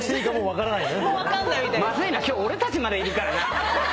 まずいな今日俺たちまでいるからな。